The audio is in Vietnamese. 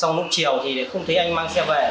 xong lúc chiều thì không thấy anh mang xe về